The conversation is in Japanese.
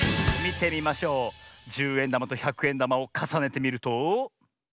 じゅうえんだまとひゃくえんだまをかさねてみると。